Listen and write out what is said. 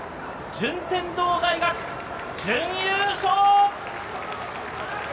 順天堂大学、準優勝！